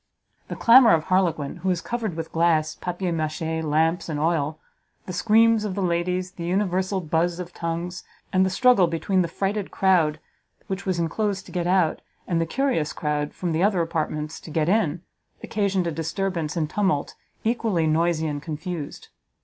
The clamour of Harlequin, who was covered with glass, papier machee, lamps and oil, the screams of the ladies, the universal buz of tongues, and the struggle between the frighted crowd which was enclosed to get out, and the curious crowd from the other apartments to get in, occasioned a disturbance and tumult equally noisy and confused.